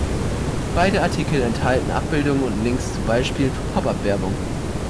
Beide Artikel enthalten Abbildungen und Links zu Beispielen für Pop-up-Werbung.